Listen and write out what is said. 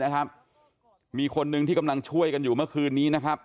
นะครับมีคนหนึ่งที่กำลังช่วยกันอยู่เมื่อคืนนี้นะครับ